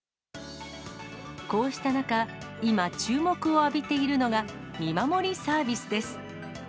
こうした中、今注目を浴びているのが、見守りサービスです。